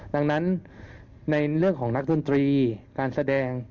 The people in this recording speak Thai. ดังนั้นในเรื่องของนักดนตรีการแสดง